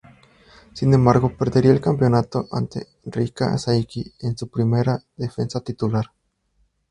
Sin embargo, perdería el campeonato ante Reika Saiki en su primera defensa titular.